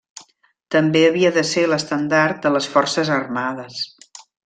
També havia de ser l'estendard de les forces armades.